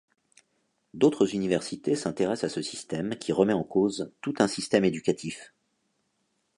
D'autres universités s'intéressent à ce système qui remet en cause tout un système éducatif.